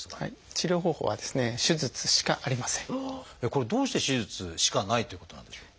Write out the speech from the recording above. これどうして手術しかないということなんでしょう？